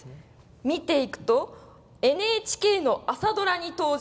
見ていくと、ＮＨＫの朝ドラに登場！